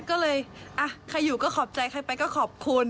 ก็เลยใครอยู่ก็ขอบใจใครไปก็ขอบคุณ